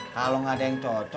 kalau nggak ada yang cocok